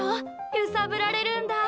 ゆさぶられるんだ。